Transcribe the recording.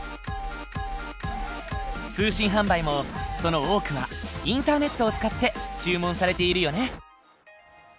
通信販売もその多くはインターネットを使って注文されているよね。